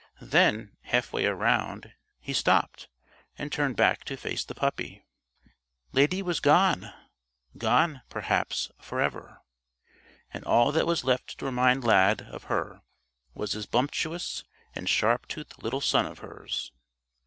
Then, halfway around, he stopped and turned back to face the puppy. Lady was gone gone, perhaps, forever. And all that was left to remind Lad of her was this bumptious and sharp toothed little son of hers.